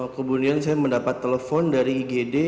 kemudian saya mendapat telepon dari igd